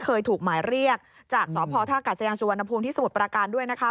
เคยถูกหมายเรียกจากสพท่ากาศยานสุวรรณภูมิที่สมุทรประการด้วยนะคะ